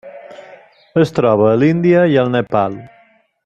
Es troba a l'Índia i al Nepal.